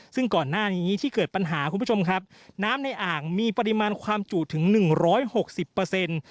ซึ่งก่อนหน้านี้ที่เกิดปัญหาคุณผู้ชมครับน้ำในอ่างมีปริมาณความจุถึงหนึ่งร้อยหกสิบเปอร์เซ็นต์